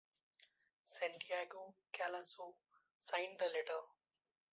Santiago Collazo signed the letter.